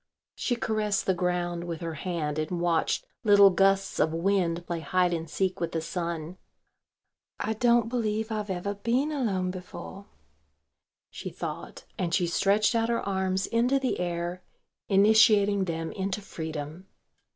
She caressed the ground with her hand and watched little gusts of wind play hide and seek with the sun. "I don't believe I've ever been alone before," she thought, and she stretched out her arms into the air, initiating them into freedom.